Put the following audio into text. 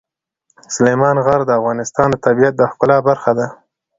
سلیمان غر د افغانستان د طبیعت د ښکلا برخه ده.